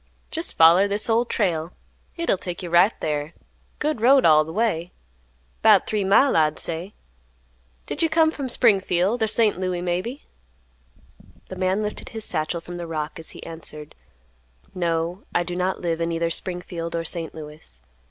"Jest foller this Old Trail. Hit'll take you right thar. Good road all th' way. 'Bout three mile, I'd say. Did you come from Springfield or St. Louis, maybe?" The man lifted his satchel from the rock as he answered: "No, I do not live in either Springfield or St. Louis.